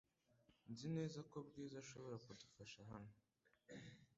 Nzi neza ko Bwiza ashobora kudufasha hano .